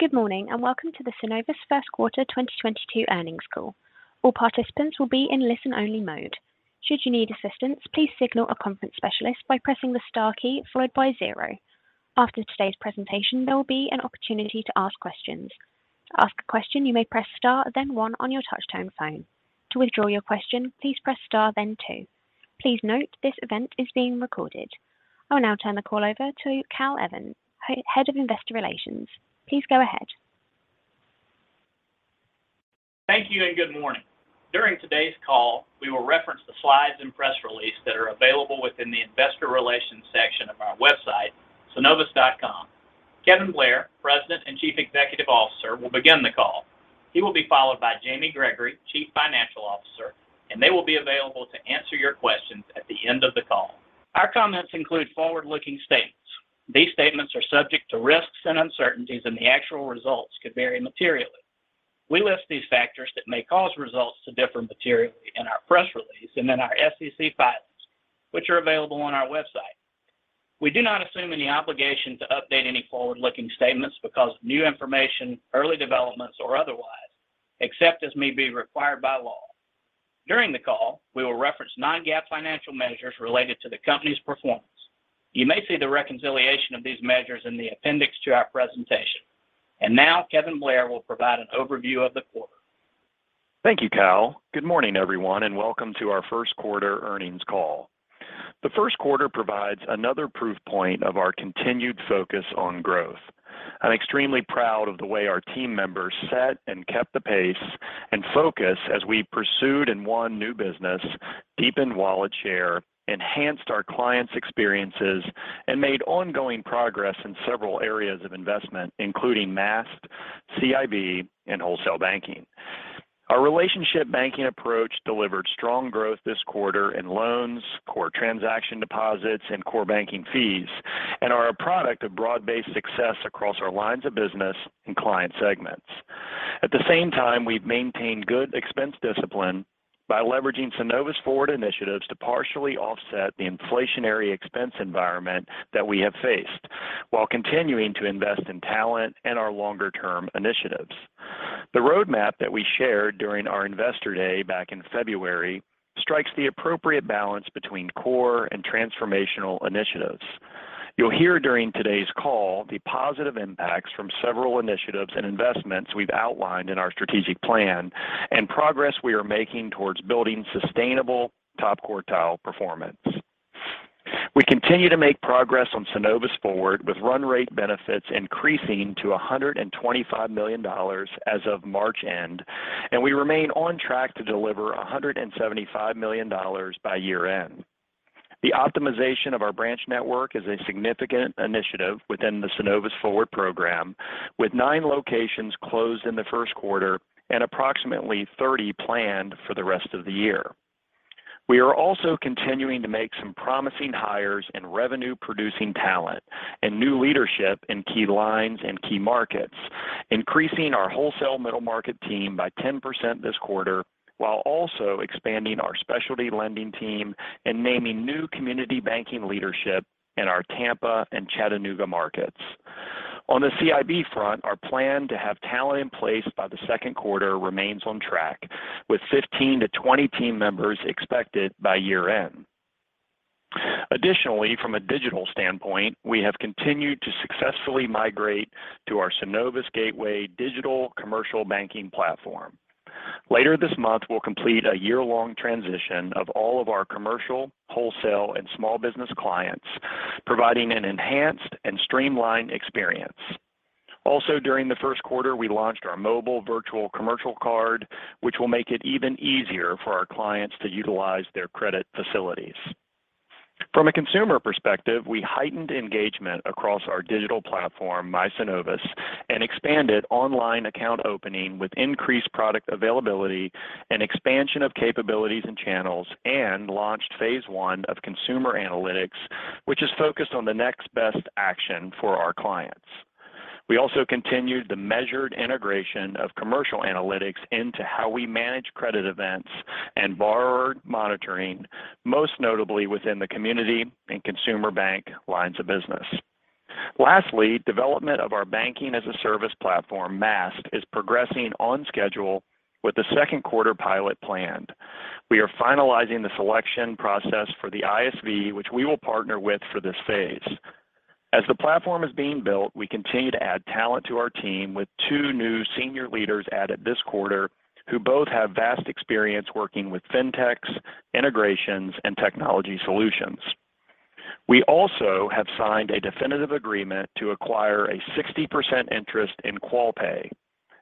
Good morning, and welcome to the Synovus First Quarter 2022 Earnings Call. All participants will be in listen-only mode. Should you need assistance, please signal a conference specialist by pressing the star key followed by zero. After today's presentation, there will be an opportunity to ask questions. To ask a question, you may press star then one on your touchtone phone. To withdraw your question, please press star then two. Please note this event is being recorded. I will now turn the call over to Cal Evans, Head of Investor Relations. Please go ahead. Thank you and good morning. During today's call, we will reference the slides and press release that are available within the investor relations section of our website, synovus.com. Kevin Blair, President and Chief Executive Officer, will begin the call. He will be followed by Jamie Gregory, Chief Financial Officer, and they will be available to answer your questions at the end of the call. Our comments include forward-looking statements. These statements are subject to risks and uncertainties, and the actual results could vary materially. We list these factors that may cause results to differ materially in our press release and in our SEC filings, which are available on our website. We do not assume any obligation to update any forward-looking statements because of new information, early developments, or otherwise, except as may be required by law. During the call, we will reference non-GAAP financial measures related to the company's performance. You may see the reconciliation of these measures in the appendix to our presentation. Now Kevin Blair will provide an overview of the quarter. Thank you, Cal. Good morning, everyone, and welcome to our first quarter earnings call. The first quarter provides another proof point of our continued focus on growth. I'm extremely proud of the way our team members set and kept the pace and focus as we pursued and won new business, deepened wallet share, enhanced our clients' experiences, and made ongoing progress in several areas of investment, including Maast, CIB, and Wholesale Banking. Our relationship banking approach delivered strong growth this quarter in loans, core transaction deposits, and core banking fees and are a product of broad-based success across our lines of business and client segments. At the same time, we've maintained good expense discipline by leveraging Synovus Forward initiatives to partially offset the inflationary expense environment that we have faced while continuing to invest in talent and our longer-term initiatives. The roadmap that we shared during our Investor Day back in February strikes the appropriate balance between core and transformational initiatives. You'll hear during today's call the positive impacts from several initiatives and investments we've outlined in our strategic plan and progress we are making towards building sustainable top-quartile performance. We continue to make progress on Synovus Forward with run rate benefits increasing to $125 million as of March end, and we remain on track to deliver $175 million by year-end. The optimization of our branch network is a significant initiative within the Synovus Forward program, with nine locations closed in the first quarter and approximately 30 planned for the rest of the year. We are also continuing to make some promising hires in revenue-producing talent and new leadership in key lines and key markets, increasing our wholesale middle market team by 10% this quarter while also expanding our specialty lending team and naming new community banking leadership in our Tampa and Chattanooga markets. On the CIB front, our plan to have talent in place by the second quarter remains on track, with 15-20 team members expected by year-end. Additionally, from a digital standpoint, we have continued to successfully migrate to our Synovus Gateway Digital Commercial Banking platform. Later this month, we'll complete a year-long transition of all of our commercial, wholesale, and small business clients, providing an enhanced and streamlined experience. Also during the first quarter, we launched our mobile virtual commercial card, which will make it even easier for our clients to utilize their credit facilities. From a consumer perspective, we heightened engagement across our digital platform, My Synovus, and expanded online account opening with increased product availability and expansion of capabilities and channels and launched phase one of consumer analytics, which is focused on the next best action for our clients. We also continued the measured integration of commercial analytics into how we manage credit events and borrower monitoring, most notably within the community and consumer bank lines of business. Lastly, development of our banking-as-a-service platform, Maast, is progressing on schedule with the second quarter pilot planned. We are finalizing the selection process for the ISV, which we will partner with for this phase. As the platform is being built, we continue to add talent to our team with two new senior leaders added this quarter who both have vast experience working with fintechs, integrations, and technology solutions. We also have signed a definitive agreement to acquire a 60% interest in Qualpay,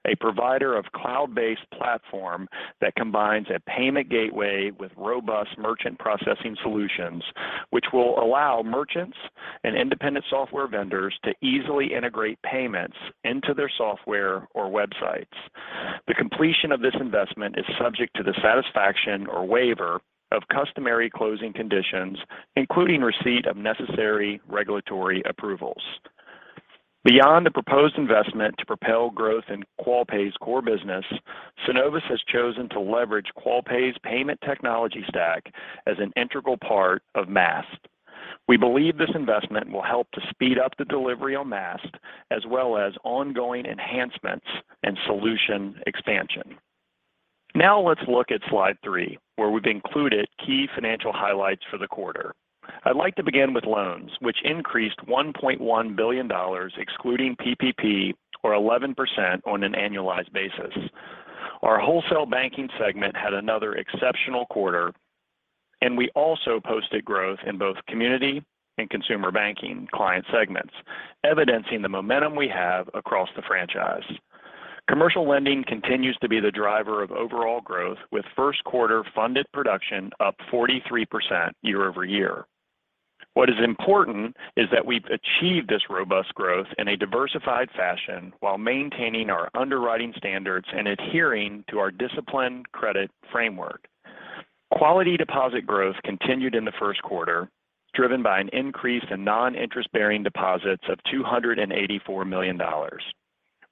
a provider of cloud-based platform that combines a payment gateway with robust merchant processing solutions which will allow merchants and independent software vendors to easily integrate payments into their software or websites. The completion of this investment is subject to the satisfaction or waiver of customary closing conditions, including receipt of necessary regulatory approvals. Beyond the proposed investment to propel growth in Qualpay's core business, Synovus has chosen to leverage Qualpay's payment technology stack as an integral part of Maast. We believe this investment will help to speed up the delivery on Maast as well as ongoing enhancements and solution expansion. Now let's look at slide three, where we've included key financial highlights for the quarter. I'd like to begin with loans, which increased $1.1 billion, excluding PPP, or 11% on an annualized basis. Our Wholesale Banking segment had another exceptional quarter, and we also posted growth in both Community and Consumer Banking client segments, evidencing the momentum we have across the franchise. Commercial lending continues to be the driver of overall growth, with first quarter funded production up 43% year-over-year. What is important is that we've achieved this robust growth in a diversified fashion while maintaining our underwriting standards and adhering to our disciplined credit framework. Quality deposit growth continued in the first quarter, driven by an increase in non-interest-bearing deposits of $284 million.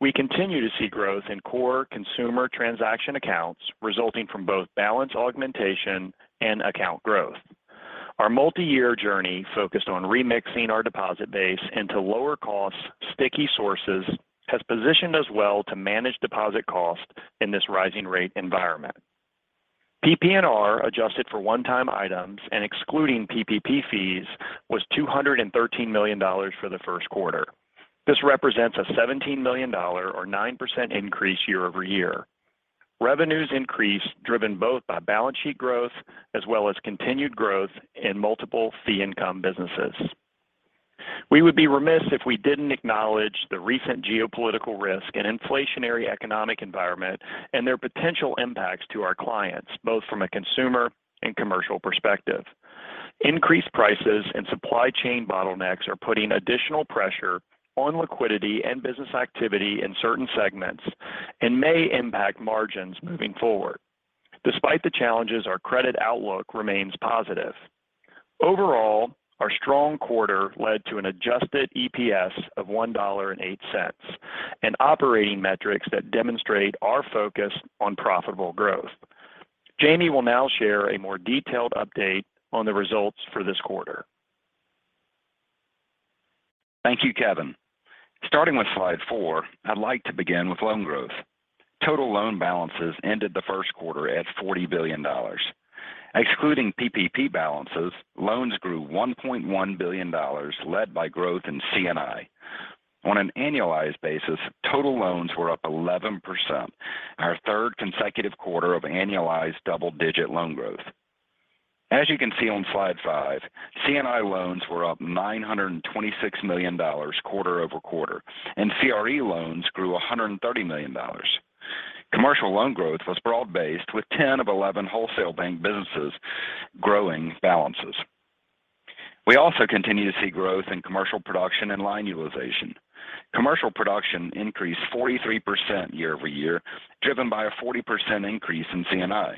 We continue to see growth in core consumer transaction accounts resulting from both balance augmentation and account growth. Our multi-year journey focused on remixing our deposit base into lower costs, sticky sources has positioned us well to manage deposit cost in this rising rate environment. PPNR adjusted for one-time items and excluding PPP fees was $213 million for the first quarter. This represents a $17 million or 9% increase year-over-year. Revenues increased, driven both by balance sheet growth as well as continued growth in multiple fee income businesses. We would be remiss if we didn't acknowledge the recent geopolitical risk and inflationary economic environment and their potential impacts to our clients, both from a consumer and commercial perspective. Increased prices and supply chain bottlenecks are putting additional pressure on liquidity and business activity in certain segments and may impact margins moving forward. Despite the challenges, our credit outlook remains positive. Overall, our strong quarter led to an adjusted EPS of $1.08 and operating metrics that demonstrate our focus on profitable growth. Jamie will now share a more detailed update on the results for this quarter. Thank you, Kevin. Starting with slide four, I'd like to begin with loan growth. Total loan balances ended the first quarter at $40 billion. Excluding PPP balances, loans grew $1.1 billion, led by growth in C&I. On an annualized basis, total loans were up 11%, our third consecutive quarter of annualized double-digit loan growth. As you can see on slide five, C&I loans were up $926 million quarter-over-quarter, and CRE loans grew $130 million. Commercial loan growth was broad-based with 10 of 11 wholesale bank businesses growing balances. We also continue to see growth in commercial production and line utilization. Commercial production increased 43% year-over-year, driven by a 40% increase in C&I.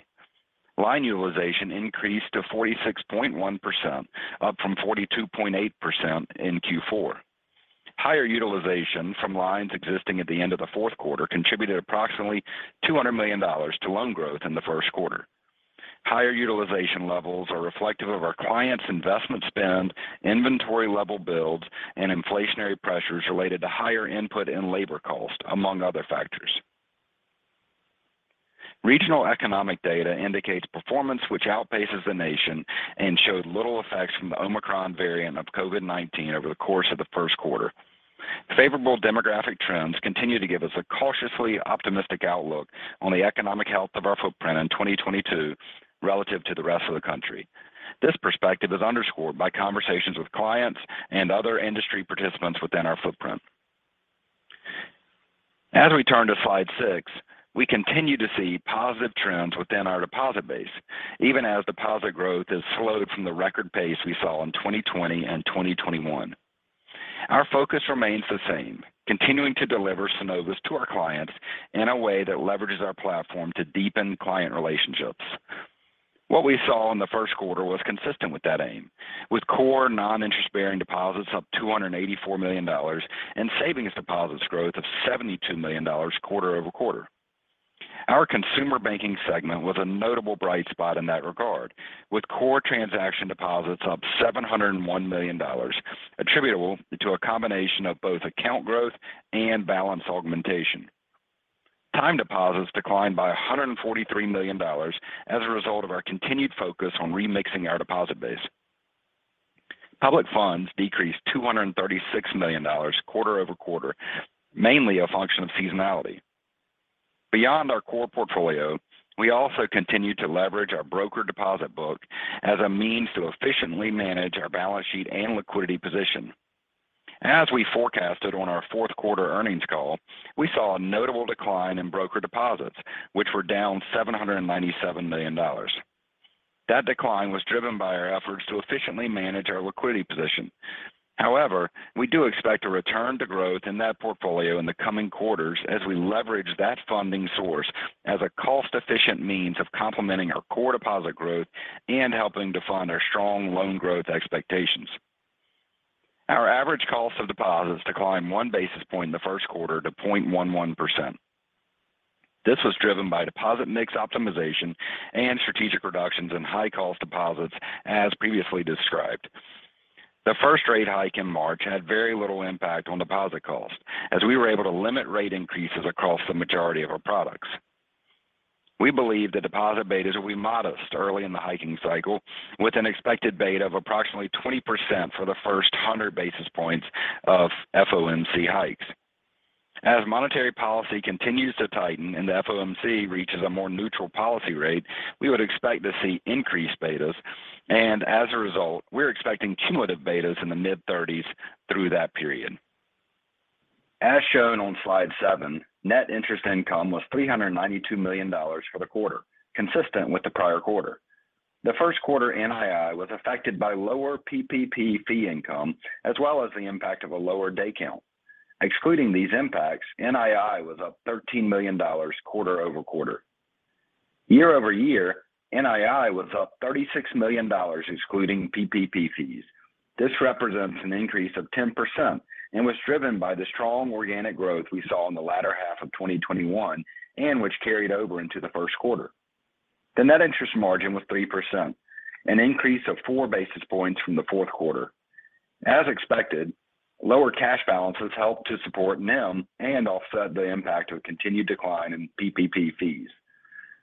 Line utilization increased to 46.1%, up from 42.8% in Q4. Higher utilization from lines existing at the end of the fourth quarter contributed approximately $200 million to loan growth in the first quarter. Higher utilization levels are reflective of our clients' investment spend, inventory level builds, and inflationary pressures related to higher input and labor cost, among other factors. Regional economic data indicates performance which outpaces the nation and showed little effects from the Omicron variant of COVID-19 over the course of the first quarter. Favorable demographic trends continue to give us a cautiously optimistic outlook on the economic health of our footprint in 2022 relative to the rest of the country. This perspective is underscored by conversations with clients and other industry participants within our footprint. As we turn to slide six, we continue to see positive trends within our deposit base, even as deposit growth has slowed from the record pace we saw in 2020 and 2021. Our focus remains the same, continuing to deliver Synovus to our clients in a way that leverages our platform to deepen client relationships. What we saw in the first quarter was consistent with that aim, with core non-interest bearing deposits up $284 million and savings deposits growth of $72 million quarter-over-quarter. Our Consumer Banking segment was a notable bright spot in that regard, with core transaction deposits up $701 million attributable to a combination of both account growth and balance augmentation. Time deposits declined by $143 million as a result of our continued focus on remixing our deposit base. Public funds decreased $236 million quarter-over-quarter, mainly a function of seasonality. Beyond our core portfolio, we also continue to leverage our broker deposit book as a means to efficiently manage our balance sheet and liquidity position. As we forecasted on our fourth quarter earnings call, we saw a notable decline in broker deposits, which were down $797 million. That decline was driven by our efforts to efficiently manage our liquidity position. However, we do expect a return to growth in that portfolio in the coming quarters as we leverage that funding source as a cost-efficient means of complementing our core deposit growth and helping to fund our strong loan growth expectations. Our average cost of deposits declined 1 basis point in the first quarter to 0.11%. This was driven by deposit mix optimization and strategic reductions in high cost deposits as previously described. The first rate hike in March had very little impact on deposit cost as we were able to limit rate increases across the majority of our products. We believe the deposit betas will be modest early in the hiking cycle with an expected beta of approximately 20% for the first 100 basis points of FOMC hikes. As monetary policy continues to tighten and the FOMC reaches a more neutral policy rate, we would expect to see increased betas. As a result, we're expecting cumulative betas in the mid-30s through that period. As shown on slide seven, net interest income was $392 million for the quarter, consistent with the prior quarter. The first quarter NII was affected by lower PPP fee income as well as the impact of a lower day count. Excluding these impacts, NII was up $13 million quarter-over-quarter. Year-over-year, NII was up $36 million excluding PPP fees. This represents an increase of 10% and was driven by the strong organic growth we saw in the latter half of 2021, and which carried over into the first quarter. The net interest margin was 3%, an increase of 4 basis points from the fourth quarter. As expected, lower cash balances helped to support NIM and offset the impact of continued decline in PPP fees.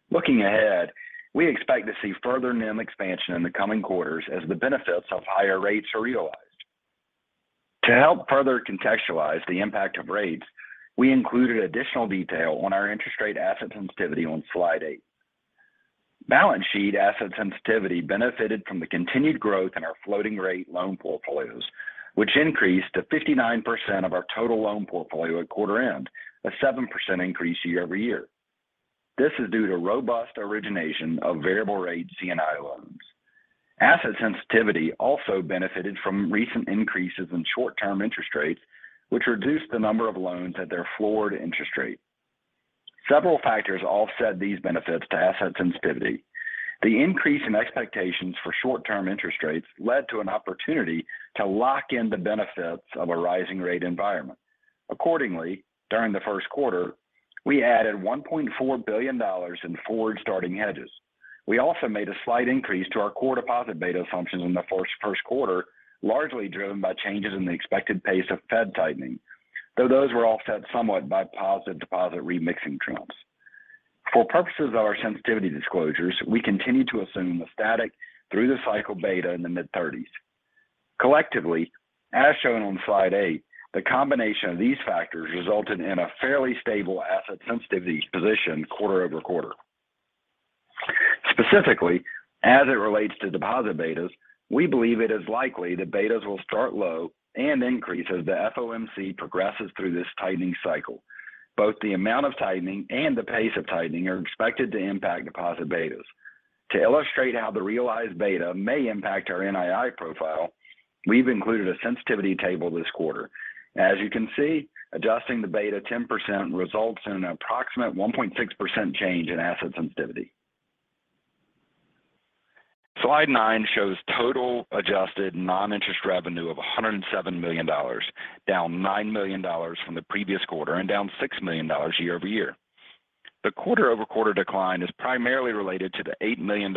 Looking ahead, we expect to see further NIM expansion in the coming quarters as the benefits of higher rates are realized. To help further contextualize the impact of rates, we included additional detail on our interest rate asset sensitivity on slide eight. Balance sheet asset sensitivity benefited from the continued growth in our floating rate loan portfolios, which increased to 59% of our total loan portfolio at quarter end, a 7% increase year-over-year. This is due to robust origination of variable rate C&I loans. Asset sensitivity also benefited from recent increases in short-term interest rates, which reduced the number of loans at their floored interest rate. Several factors offset these benefits to asset sensitivity. The increase in expectations for short-term interest rates led to an opportunity to lock in the benefits of a rising rate environment. Accordingly, during the first quarter, we added $1.4 billion in forward starting hedges. We also made a slight increase to our core deposit beta functions in the first quarter, largely driven by changes in the expected pace of Fed tightening, though those were offset somewhat by positive deposit remixing trends. For purposes of our sensitivity disclosures, we continue to assume a static through the cycle beta in the mid-30s. Collectively, as shown on slide eight, the combination of these factors resulted in a fairly stable asset sensitivity position quarter-over-quarter. Specifically, as it relates to deposit betas, we believe it is likely that betas will start low and increase as the FOMC progresses through this tightening cycle. Both the amount of tightening and the pace of tightening are expected to impact deposit betas. To illustrate how the realized beta may impact our NII profile, we've included a sensitivity table this quarter. As you can see, adjusting the beta 10% results in an approximate 1.6% change in asset sensitivity. Slide nine shows total adjusted non-interest revenue of $107 million, down $9 million from the previous quarter and down $6 million year-over-year. The quarter-over-quarter decline is primarily related to the $8 million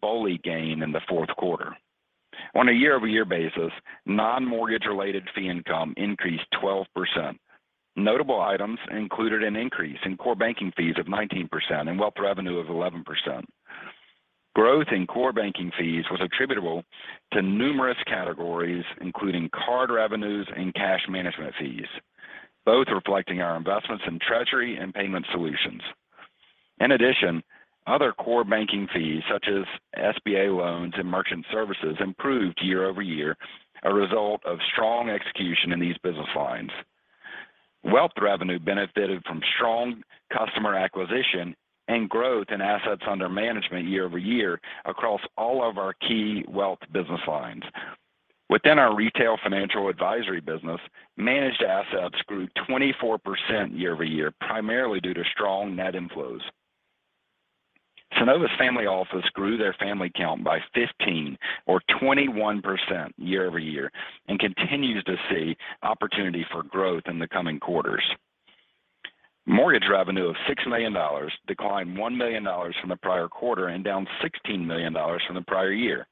BOLI gain in the fourth quarter. On a year-over-year basis, non-mortgage related fee income increased 12%. Notable items included an increase in core banking fees of 19% and wealth revenue of 11%. Growth in core banking fees was attributable to numerous categories, including card revenues and cash management fees, both reflecting our investments in treasury and payment solutions. In addition, other core banking fees such as SBA loans and merchant services improved year-over-year, a result of strong execution in these business lines. Wealth revenue benefited from strong customer acquisition and growth in assets under management year-over-year across all of our key wealth business lines. Within our retail financial advisory business, managed assets grew 24% year-over-year, primarily due to strong net inflows. Synovus Family Office grew their family count by 15% or 21% year-over-year and continues to see opportunity for growth in the coming quarters. Mortgage revenue of $6 million declined $1 million from the prior quarter and down $16 million from the prior year.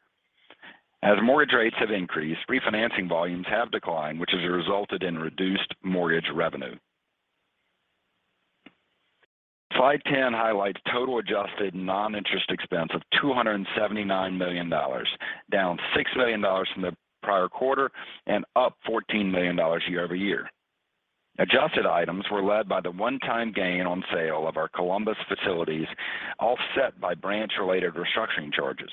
As mortgage rates have increased, refinancing volumes have declined, which has resulted in reduced mortgage revenue. Slide 10 highlights total adjusted non-interest expense of $279 million, down $6 million from the prior quarter and up $14 million year-over-year. Adjusted items were led by the one-time gain on sale of our Columbus facilities, offset by branch-related restructuring charges.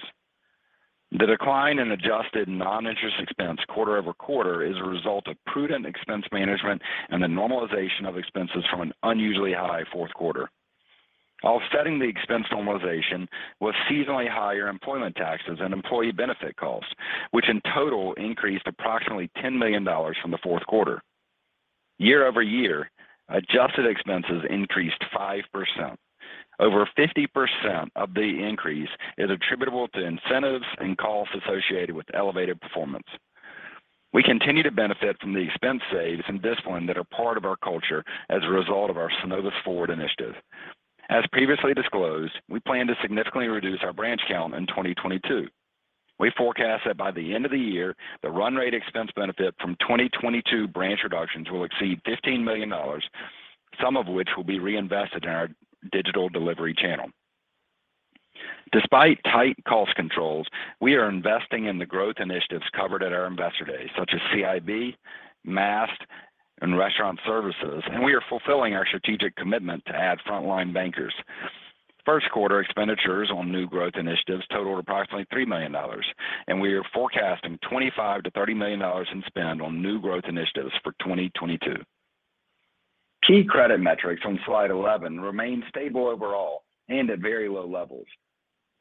The decline in adjusted non-interest expense quarter-over-quarter is a result of prudent expense management and the normalization of expenses from an unusually high fourth quarter. Offsetting the expense normalization was seasonally higher employment taxes and employee benefit costs, which in total increased approximately $10 million from the fourth quarter. Year-over-year, adjusted expenses increased 5%. Over 50% of the increase is attributable to incentives and costs associated with elevated performance. We continue to benefit from the expense saves and discipline that are part of our culture as a result of our Synovus Forward initiative. As previously disclosed, we plan to significantly reduce our branch count in 2022. We forecast that by the end of the year, the run rate expense benefit from 2022 branch reductions will exceed $15 million, some of which will be reinvested in our digital delivery channel. Despite tight cost controls, we are investing in the growth initiatives covered at our Investor Day, such as CIB, Maast, and restaurant services, and we are fulfilling our strategic commitment to add frontline bankers. First quarter expenditures on new growth initiatives totaled approximately $3 million, and we are forecasting $25 million-$30 million in spend on new growth initiatives for 2022. Key credit metrics on slide 11 remain stable overall and at very low levels.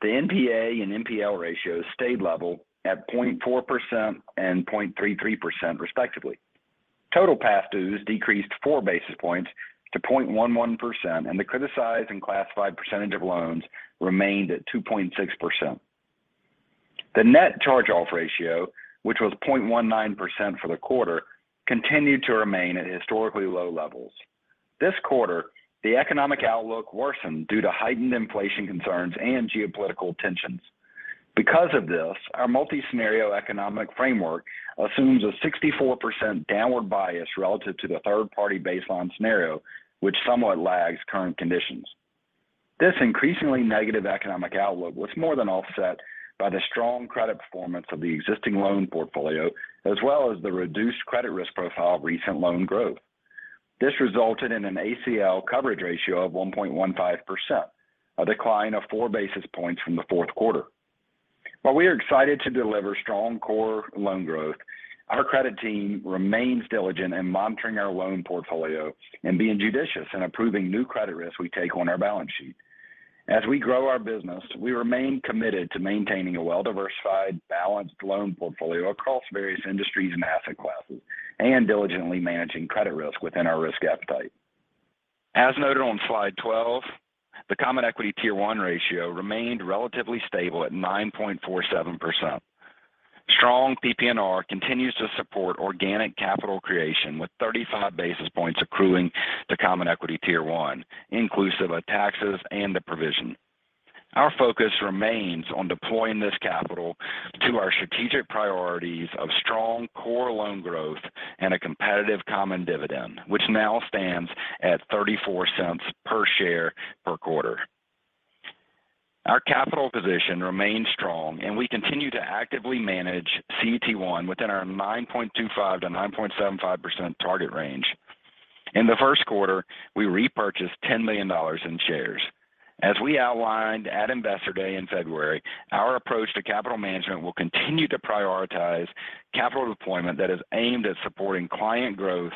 The NPA and NPL ratios stayed level at 0.4% and 0.33% respectively. Total past dues decreased 4 basis points to 0.11%, and the criticized and classified percentage of loans remained at 2.6%. The net charge-off ratio, which was 0.19% for the quarter, continued to remain at historically low levels. This quarter, the economic outlook worsened due to heightened inflation concerns and geopolitical tensions. Because of this, our multi-scenario economic framework assumes a 64% downward bias relative to the third-party baseline scenario, which somewhat lags current conditions. This increasingly negative economic outlook was more than offset by the strong credit performance of the existing loan portfolio, as well as the reduced credit risk profile of recent loan growth. This resulted in an ACL coverage ratio of 1.15%, a decline of 4 basis points from the fourth quarter. While we are excited to deliver strong core loan growth, our credit team remains diligent in monitoring our loan portfolio and being judicious in approving new credit risks we take on our balance sheet. As we grow our business, we remain committed to maintaining a well-diversified, balanced loan portfolio across various industries and asset classes and diligently managing credit risk within our risk appetite. As noted on slide 12, the Common Equity Tier 1 ratio remained relatively stable at 9.47%. Strong PPNR continues to support organic capital creation, with 35 basis points accruing to Common Equity Tier 1, inclusive of taxes and the provision. Our focus remains on deploying this capital to our strategic priorities of strong core loan growth and a competitive common dividend, which now stands at $0.34 per share per quarter. Our capital position remains strong, and we continue to actively manage CET1 within our 9.25%-9.75% target range. In the first quarter, we repurchased $10 million in shares. As we outlined at Investor Day in February, our approach to capital management will continue to prioritize capital deployment that is aimed at supporting client growth,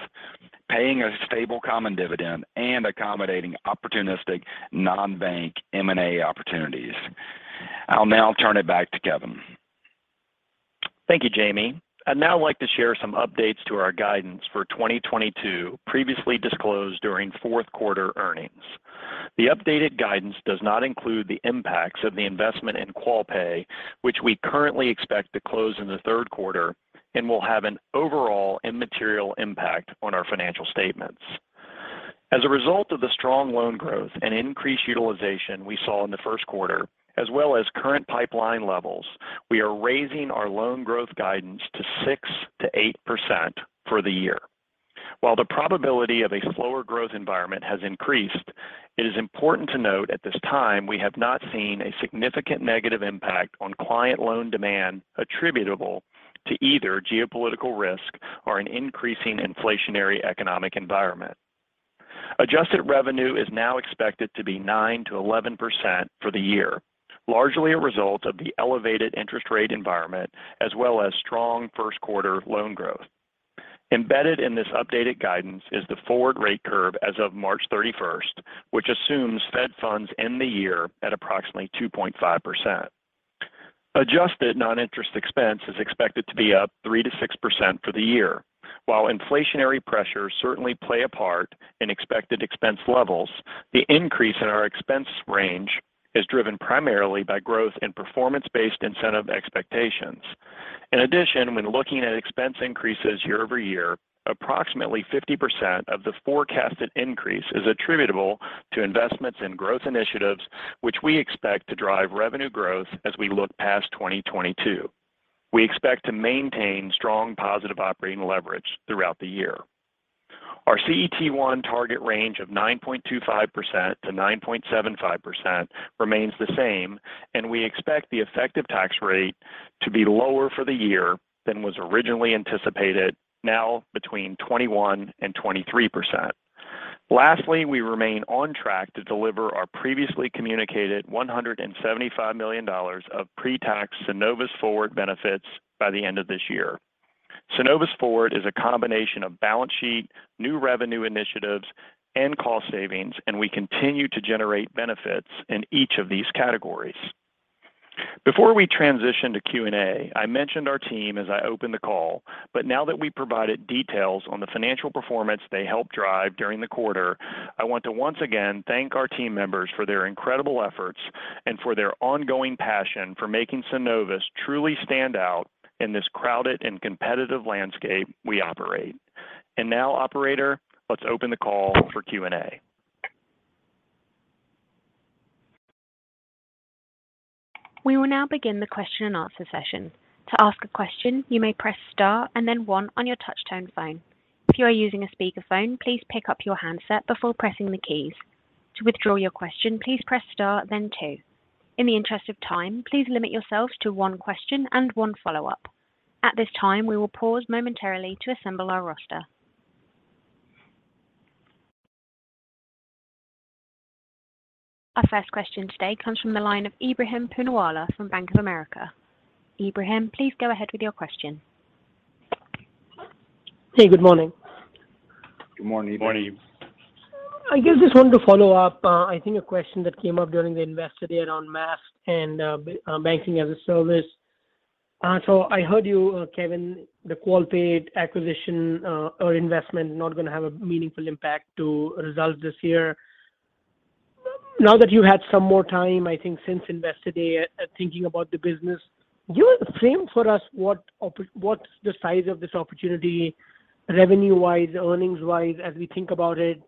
paying a stable common dividend, and accommodating opportunistic non-bank M&A opportunities. I'll now turn it back to Kevin. Thank you, Jamie. I'd now like to share some updates to our guidance for 2022, previously disclosed during fourth quarter earnings. The updated guidance does not include the impacts of the investment in Qualpay, which we currently expect to close in the third quarter and will have an overall immaterial impact on our financial statements. As a result of the strong loan growth and increased utilization we saw in the first quarter, as well as current pipeline levels, we are raising our loan growth guidance to 6%-8% for the year. While the probability of a slower growth environment has increased, it is important to note at this time we have not seen a significant negative impact on client loan demand attributable to either geopolitical risk or an increasing inflationary economic environment. Adjusted revenue is now expected to be 9%-11% for the year, largely a result of the elevated interest rate environment as well as strong first quarter loan growth. Embedded in this updated guidance is the forward rate curve as of March 31st, which assumes Fed funds end the year at approximately 2.5%. Adjusted non-interest expense is expected to be up 3%-6% for the year. While inflationary pressures certainly play a part in expected expense levels, the increase in our expense range is driven primarily by growth in performance-based incentive expectations. In addition, when looking at expense increases year-over-year, approximately 50% of the forecasted increase is attributable to investments in growth initiatives which we expect to drive revenue growth as we look past 2022. We expect to maintain strong positive operating leverage throughout the year. Our CET1 target range of 9.25%-9.75% remains the same, and we expect the effective tax rate to be lower for the year than was originally anticipated, now between 21%-23%. We remain on track to deliver our previously communicated $175 million of pre-tax Synovus Forward benefits by the end of this year. Synovus Forward is a combination of balance sheet, new revenue initiatives, and cost savings, and we continue to generate benefits in each of these categories. Before we transition to Q&A, I mentioned our team as I opened the call, but now that we've provided details on the financial performance they helped drive during the quarter, I want to once again thank our team members for their incredible efforts and for their ongoing passion for making Synovus truly stand out in this crowded and competitive landscape we operate. Now operator, let's open the call for Q&A. We will now begin the question-and-answer session. To ask a question, you may press star and then one on your touch tone phone. If you are using a speaker phone, please pick up your handset before pressing the keys. To withdraw your question, please press star then two. In the interest of time, please limit yourself to one question and one follow-up. At this time, we will pause momentarily to assemble our roster. Our first question today comes from the line of Ebrahim Poonawala from Bank of America. Ebrahim, please go ahead with your question. Hey, good morning. Good morning. Good morning. I guess just wanted to follow-up. I think a question that came up during the Investor Day around Maast and banking-as-a-service. I heard you, Kevin, the Qualpay acquisition or investment not gonna have a meaningful impact to results this year. Now that you had some more time, I think since Investor Day at thinking about the business, can you frame for us what's the size of this opportunity revenue-wise, earnings-wise as we think about it?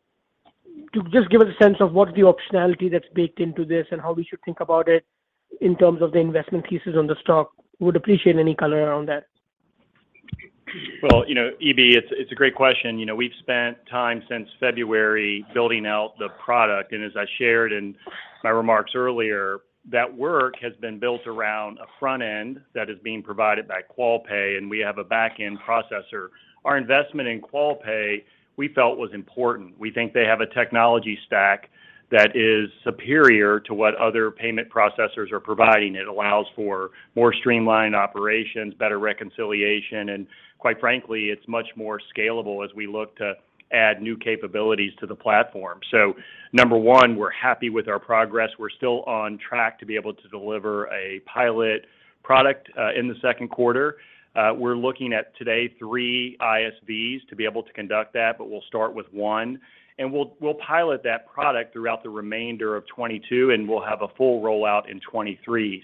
To just give us a sense of what the optionality that's baked into this and how we should think about it in terms of the investment pieces on the stock. Would appreciate any color around that. Well, you know, EB, it's a great question. You know, we've spent time since February building out the product. As I shared in my remarks earlier, that work has been built around a front end that is being provided by Qualpay, and we have a back-end processor. Our investment in Qualpay, we felt was important. We think they have a technology stack that is superior to what other payment processors are providing. It allows for more streamlined operations, better reconciliation, and quite frankly, it's much more scalable as we look to add new capabilities to the platform. Number one, we're happy with our progress. We're still on track to be able to deliver a pilot product in the second quarter. We're looking at to date three ISVs to be able to conduct that, but we'll start with one. We'll pilot that product throughout the remainder of 2022, and we'll have a full rollout in 2023.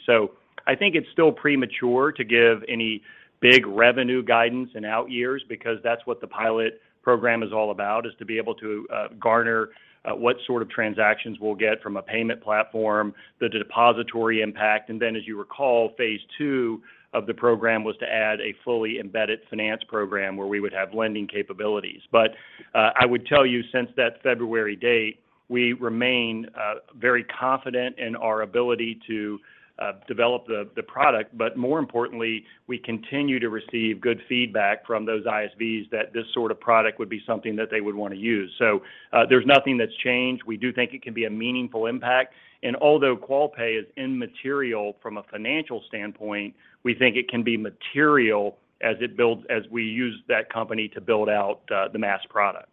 I think it's still premature to give any big revenue guidance in out years because that's what the pilot program is all about, is to be able to garner what sort of transactions we'll get from a payment platform, the depository impact. Then as you recall, phase II of the program was to add a fully embedded finance program where we would have lending capabilities. I would tell you since that February date, we remain very confident in our ability to develop the product. But more importantly, we continue to receive good feedback from those ISVs that this sort of product would be something that they would want to use. There's nothing that's changed. We do think it can be a meaningful impact. Although Qualpay is immaterial from a financial standpoint, we think it can be material as we use that company to build out the Maast product.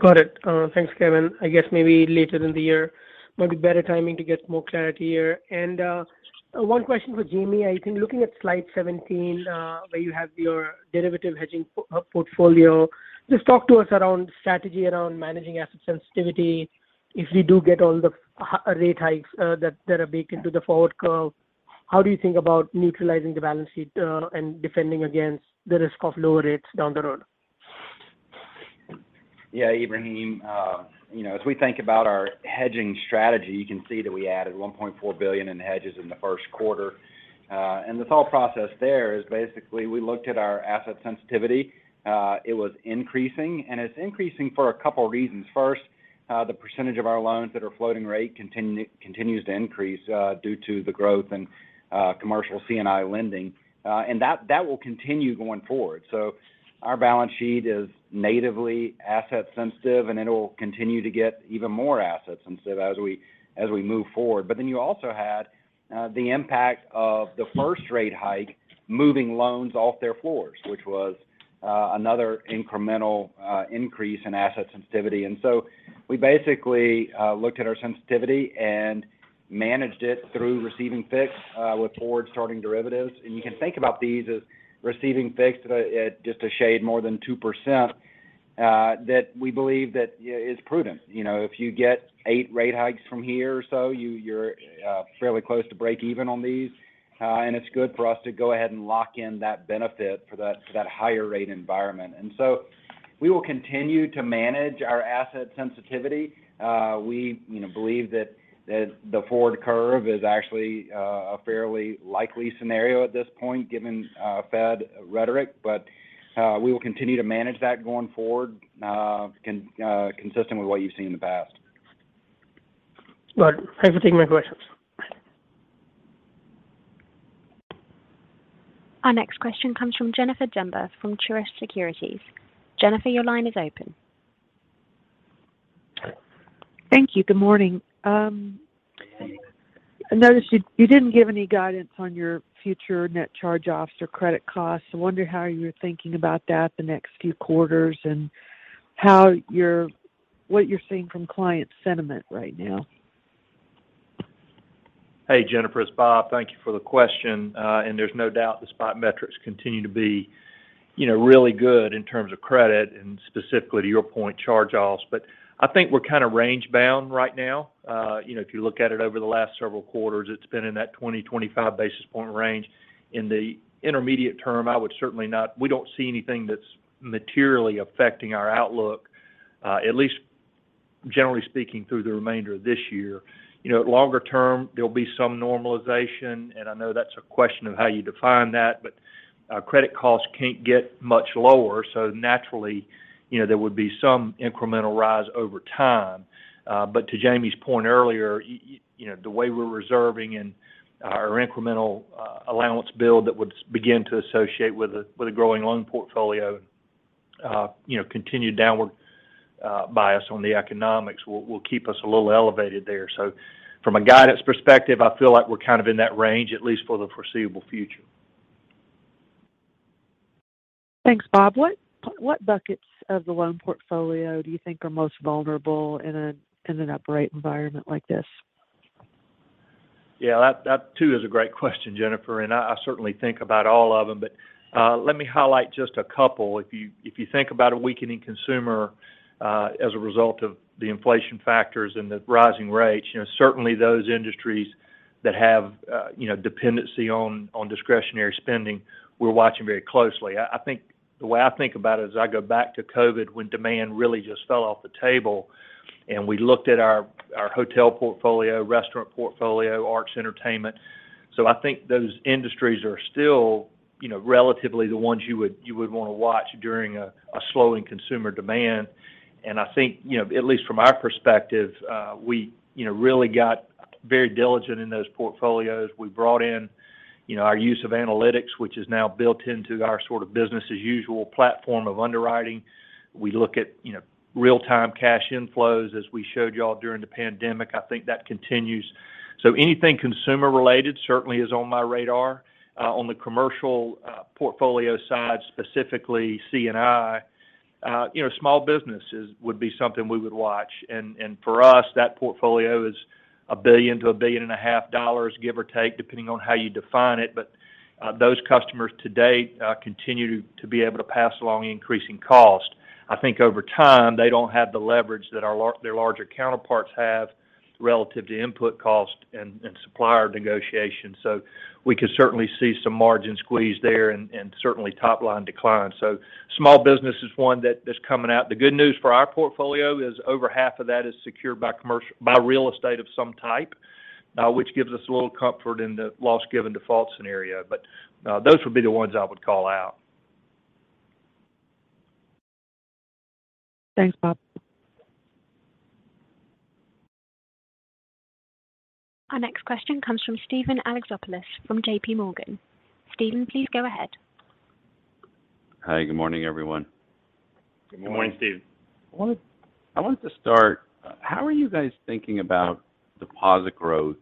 Got it. Thanks, Kevin. I guess maybe later in the year might be better timing to get more clarity here. One question for Jamie. I think looking at slide 17, where you have your derivative hedging portfolio, just talk to us around strategy around managing asset sensitivity. If we do get all the rate hikes that are baked into the forward curve, how do you think about neutralizing the balance sheet and defending against the risk of lower rates down the road? Yeah, Ebrahim. You know, as we think about our hedging strategy, you can see that we added $1.4 billion in hedges in the first quarter. The thought process there is basically we looked at our asset sensitivity. It was increasing, and it's increasing for a couple reasons. First, the percentage of our loans that are floating rate continues to increase due to the growth in commercial C&I lending. That will continue going forward. Our balance sheet is natively asset sensitive, and it'll continue to get even more asset sensitive as we move forward. You also had the impact of the first rate hike moving loans off their floors, which was another incremental increase in asset sensitivity. We basically looked at our sensitivity and managed it through receive fixed with forward starting derivatives. You can think about these as receive fixed at just a shade more than 2%, that we believe is prudent. You know, if you get eight rate hikes from here or so, you're fairly close to break even on these. It's good for us to go ahead and lock in that benefit for that higher rate environment. We will continue to manage our asset sensitivity. We you know believe that the forward curve is actually a fairly likely scenario at this point, given Fed rhetoric. We will continue to manage that going forward, consistent with what you've seen in the past. Got it. Thanks for taking my questions. Our next question comes from Jennifer Demba from Truist Securities. Jennifer, your line is open. Thank you. Good morning. I noticed you didn't give any guidance on your future net charge-offs or credit costs. I wonder how you're thinking about that the next few quarters and what you're seeing from client sentiment right now. Hey, Jennifer, it's Bob. Thank you for the question. There's no doubt the spot metrics continue to be, you know, really good in terms of credit and specifically to your point, charge-offs. But I think we're kind of range bound right now. You know, if you look at it over the last several quarters, it's been in that 20-25 basis point range. In the intermediate term, I would certainly not, we don't see anything that's materially affecting our outlook, at least. Generally speaking through the remainder of this year. You know, longer term, there'll be some normalization, and I know that's a question of how you define that. Credit costs can't get much lower, so naturally, you know, there would be some incremental rise over time. To Jamie's point earlier, you know, the way we're reserving and our incremental allowance build that would begin to associate with a growing loan portfolio, you know, continued downward bias on the economics will keep us a little elevated there. From a guidance perspective, I feel like we're kind of in that range at least for the foreseeable future. Thanks, Bob. What buckets of the loan portfolio do you think are most vulnerable in an up-rate environment like this? Yeah, that too is a great question, Jennifer, and I certainly think about all of them. Let me highlight just a couple. If you think about a weakening consumer, as a result of the inflation factors and the rising rates, you know, certainly those industries that have, you know, dependency on discretionary spending, we're watching very closely. I think. The way I think about it is I go back to COVID when demand really just fell off the table, and we looked at our hotel portfolio, restaurant portfolio, arts, entertainment. I think those industries are still, you know, relatively the ones you would want to watch during a slowing consumer demand. I think, you know, at least from our perspective, we, you know, really got very diligent in those portfolios. We brought in, you know, our use of analytics, which is now built into our sort of business as usual platform of underwriting. We look at, you know, real-time cash inflows as we showed you all during the pandemic. I think that continues. Anything consumer related certainly is on my radar. On the commercial, portfolio side, specifically C&I, you know, small businesses would be something we would watch. For us, that portfolio is $1 billion-$1.5 billion, give or take, depending on how you define it. Those customers to date continue to be able to pass along increasing cost. I think over time, they don't have the leverage that their larger counterparts have relative to input cost and supplier negotiation. We could certainly see some margin squeeze there and certainly top line decline. Small business is one that is coming out. The good news for our portfolio is over half of that is secured by real estate of some type, which gives us a little comfort in the loss given default scenario. Those would be the ones I would call out. Thanks, Bob. Our next question comes from Steven Alexopoulos from JPMorgan. Steven, please go ahead. Hi, good morning, everyone. Good morning. Good morning, Steve. I wanted to start, how are you guys thinking about deposit growth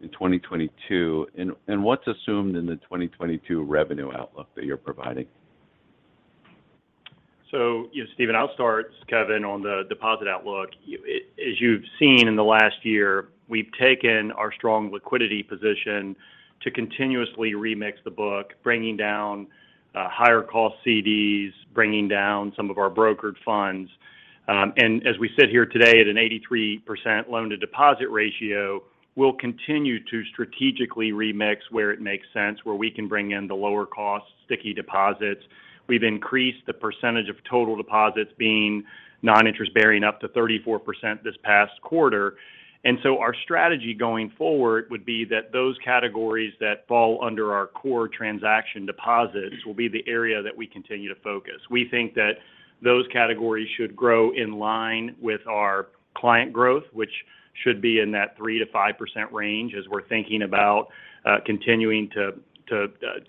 in 2022? What's assumed in the 2022 revenue outlook that you're providing? Steven, I'll start, Kevin, on the deposit outlook. As you've seen in the last year, we've taken our strong liquidity position to continuously remix the book, bringing down higher cost CDs, bringing down some of our brokered funds. As we sit here today at an 83% loan-to-deposit ratio, we'll continue to strategically remix where it makes sense, where we can bring in the lower cost sticky deposits. We've increased the percentage of total deposits being non-interest bearing up to 34% this past quarter. Our strategy going forward would be that those categories that fall under our core transaction deposits will be the area that we continue to focus. We think that those categories should grow in line with our client growth, which should be in that 3%-5% range as we're thinking about continuing to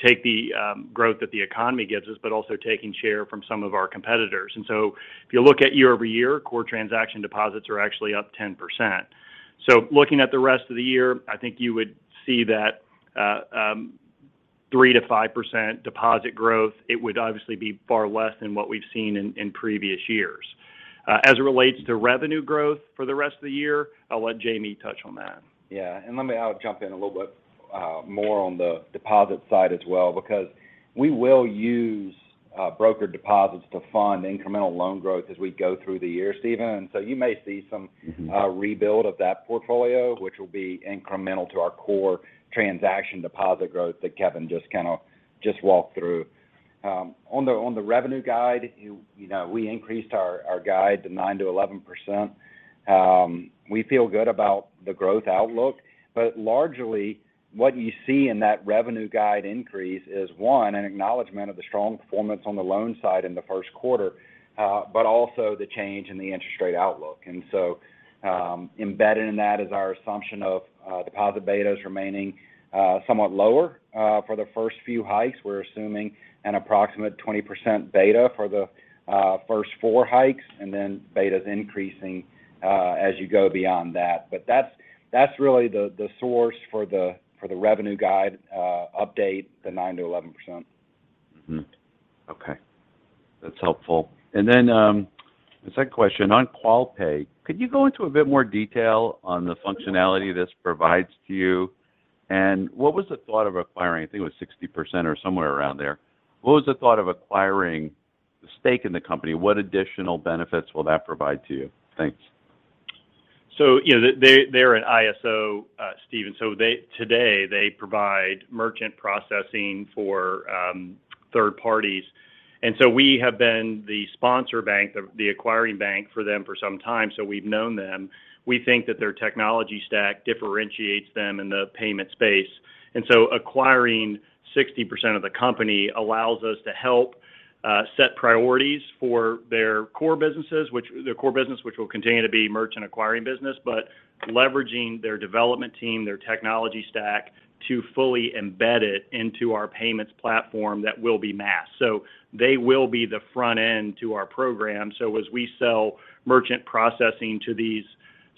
take the growth that the economy gives us, but also taking share from some of our competitors. If you look at year-over-year, core transaction deposits are actually up 10%. Looking at the rest of the year, I think you would see that 3%-5% deposit growth, it would obviously be far less than what we've seen in previous years. As it relates to revenue growth for the rest of the year, I'll let Jamie touch on that. Yeah. I'll jump in a little bit more on the deposit side as well, because we will use broker deposits to fund incremental loan growth as we go through the year, Steven. You may see some rebuild of that portfolio, which will be incremental to our core transaction deposit growth that Kevin just kind of walked through. On the revenue guide, you know, we increased our guide to 9%-11%. We feel good about the growth outlook. Largely, what you see in that revenue guide increase is, one, an acknowledgment of the strong performance on the loan side in the first quarter, but also the change in the interest rate outlook. Embedded in that is our assumption of deposit betas remaining somewhat lower for the first few hikes. We're assuming an approximate 20% beta for the first four hikes, and then betas increasing as you go beyond that. That's really the source for the revenue guide update, the 9%-11%. Okay. That's helpful. Then, the second question on Qualpay, could you go into a bit more detail on the functionality this provides to you? What was the thought of acquiring, I think it was 60% or somewhere around there. What was the thought of acquiring the stake in the company? What additional benefits will that provide to you? Thanks. They're an ISO, Steven. Today they provide merchant processing for third parties. We have been the sponsor bank, the acquiring bank for them for some time, so we've known them. We think that their technology stack differentiates them in the payment space. Acquiring 60% of the company allows us to help set priorities for their core businesses, which will continue to be merchant acquiring business. Leveraging their development team, their technology stack to fully embed it into our payments platform that will be Maast. They will be the front-end to our program. As we sell merchant processing to these